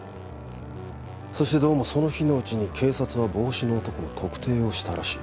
そしてどうもその日のうちに警察は帽子の男を特定をしたらしい。